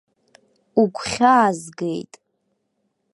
Угәхьаазгеит.